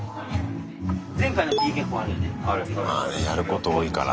まあねやること多いから。